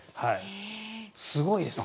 すごいですね。